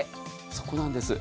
そこなんです。